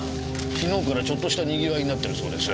昨日からちょっとしたにぎわいになってるそうです。